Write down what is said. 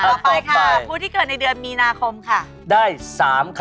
ต่อไปค่ะผู้ที่เกิดในเดือนมีนาคมค่ะ